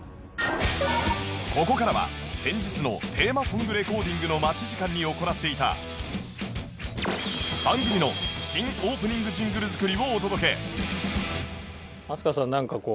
ここからは先日のテーマソングレコーディングの待ち時間に行っていた番組の新オープニングジングル作りをお届け飛鳥さんなんかこう。